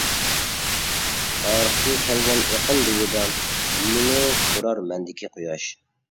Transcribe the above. تارىختىن كەلگەن ئېقىن بويىدا، يۇيۇنۇپ تۇرار مەندىكى قۇياش.